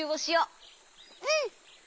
うん！